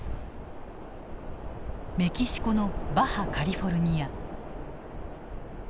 メキシコのバハ・カリフォルニア。